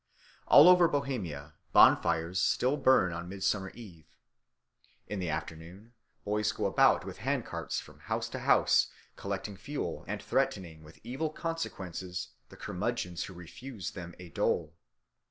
All over Bohemia bonfires still burn on Midsummer Eve. In the afternoon boys go about with handcarts from house to house collecting fuel and threatening with evil consequences the curmudgeons who refuse them a dole.